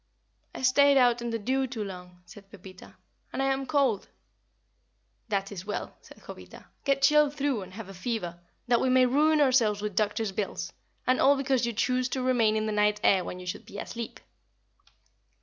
"I stayed out in the dew too long," said Pepita, "and I am cold." "That is well," said Jovita. "Get chilled through and have a fever, that we may ruin ourselves with doctors' bills; and all because you choose to remain in the night air when you should be asleep."